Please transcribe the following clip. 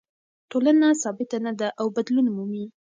ټولنه ثابته نه ده او بدلون مومي.